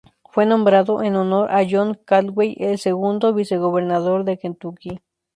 Fue nombrado en honor a John Caldwell, el segundo Vicegobernador de Kentucky.